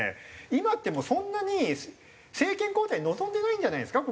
今ってもうそんなに政権交代望んでないんじゃないですか？